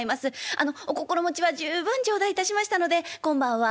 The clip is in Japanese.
あのお心持ちは十分頂戴いたしましたので今晩は